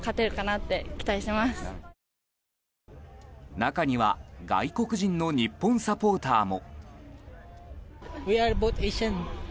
中には外国人の日本サポーターも。